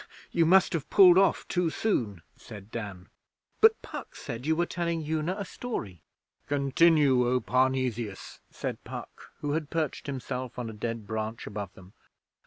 You must have pulled off too soon,' said Dan. 'But Puck said you were telling Una a story.' 'Continue, O Parnesius,' said Puck, who had perched himself on a dead branch above them.